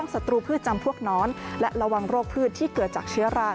ศัตรูพืชจำพวกน้อนและระวังโรคพืชที่เกิดจากเชื้อรา